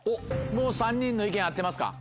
もう３人の意見合ってますか？